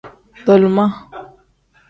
Tolima.